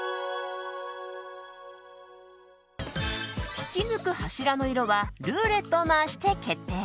引き抜く柱の色はルーレットを回して決定。